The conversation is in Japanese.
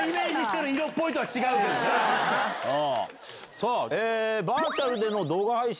さぁ！